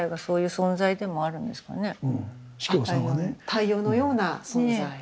太陽のような存在。ね。